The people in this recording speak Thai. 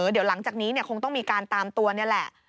เดี๋ยวหลังจากนี้คงต้องมีการตามตัวนี่แหละ